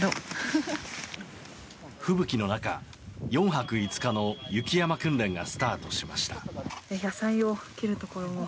吹雪の中、４泊５日の雪山訓練がスタートしました。